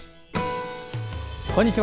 こんにちは。